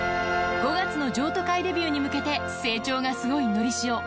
５月の譲渡会デビューに向けて、成長がすごいのりしお。